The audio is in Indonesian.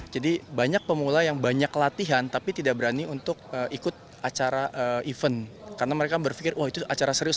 jadi banyak pemula yang banyak latihan tapi tidak berani untuk ikut acara event karena mereka berpikir itu acara serius